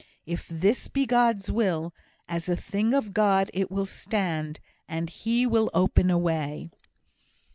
If this be God's will, as a thing of God it will stand; and He will open a way."